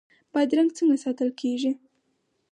بادرنګ څنګه ساتل کیږي؟